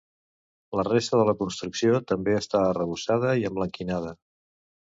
La resta de la construcció també està arrebossada i emblanquinada.